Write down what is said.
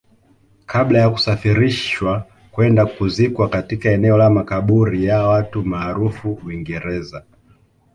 kabla ya kusafirishwa kwenda kuzikwa katika eneo la makaburi ya watu maarufu Uingereza